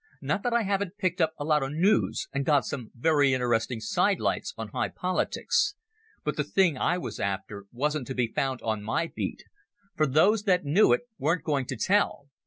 Not that I haven't picked up a lot of noos, and got some very interesting sidelights on high politics. But the thing I was after wasn't to be found on my beat, for those that knew it weren't going to tell.